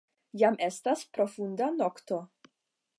Jam estas profunda nokto.